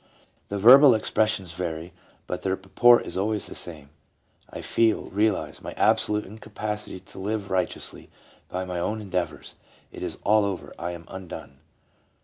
..." The verbal expressions vary, but their purport is always the same : I feel, realize, my absolute incapacity to live right eously by my own endeavors ; it is all over, I am undone.